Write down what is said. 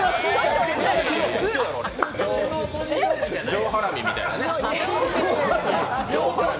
上ハラミみたいなね。